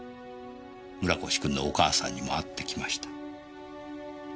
村越君のお母さんにも会ってきました。